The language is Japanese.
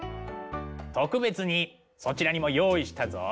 特別にそちらにも用意したぞ。